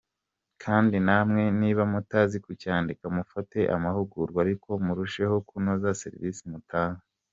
Kandi namwe niba mutazi kucyandika mufate amahugurwa ariko murusheho kunoza service mutanga.